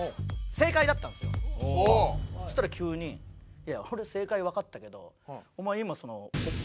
そしたら急に「いや俺正解わかったけど」。